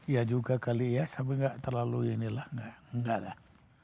ya juga kali ya tapi gak terlalu ini lah enggak lah